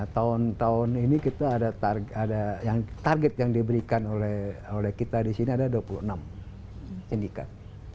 tahun tahun ini target yang diberikan oleh kita di sini adalah dua puluh enam sindikat